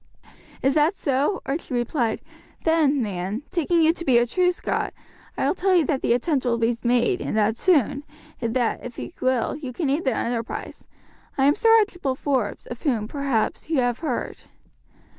"Is that so?" Archie replied; "then, man, taking you to be a true Scot, I will tell you that the attempt will be made, and that soon, and that, if you will, you can aid the enterprise. I am Sir Archibald Forbes, of whom, perhaps, you have heard."